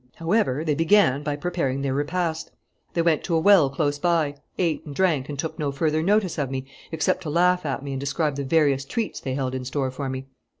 "However, they began by preparing their repast. They went to a well close by, ate and drank and took no further notice of me except to laugh at me and describe the various treats they held in store for me....